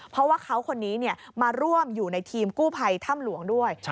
เพราะว่าเขาคนนี้มาร่วมอยู่ในทีมกู้ภัยถ้ำหลวงด้วย